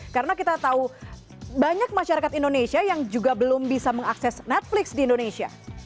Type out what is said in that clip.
karena kita tahu banyak masyarakat indonesia yang juga belum bisa mengakses netflix di indonesia